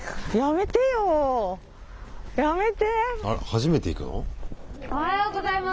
初めて行くの？